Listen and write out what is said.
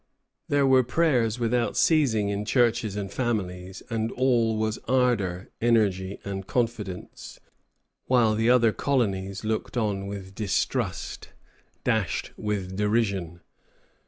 There were prayers without ceasing in churches and families, and all was ardor, energy, and confidence; while the other colonies looked on with distrust, dashed with derision.